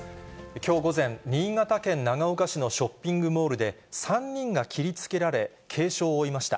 きょう午前、新潟県長岡市のショッピングモールで３人が切りつけられ、軽傷を負いました。